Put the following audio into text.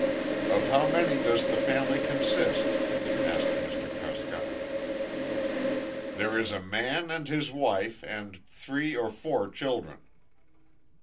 "Of how many does the family consist?" asked Mr. Prescott. "There is a man and his wife and three or four children."